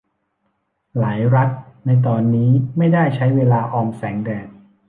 หลายรัฐในตอนนี้ไม่ได้ใช้เวลาออมแสงแดด